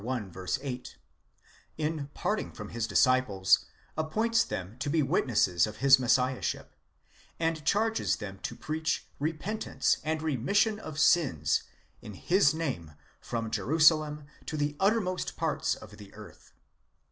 8) in parting from his disciples appoints them to be witnesses of his messiahship, and charges them to preach repentance and remission of sins in his name from Jerusalem to the uttermost parts of the earth.